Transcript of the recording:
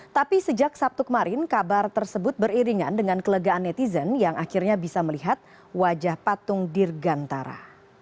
tapi sejak sabtu kemarin kabar tersebut beriringan dengan kelegaan netizen yang akhirnya bisa melihat wajah patung dirgantara